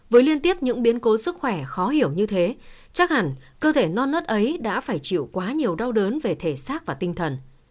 với liên tiếp những biến cố sức khỏe khó hiểu như thế chắc hẳn cơ thể non nớt ấy đã phải chịu quá nhiều đau đớn về thể xác và tinh thần